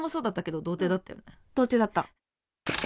童貞だった。